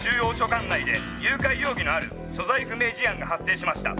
管内で誘拐容疑のある所在不明事案が発生しました」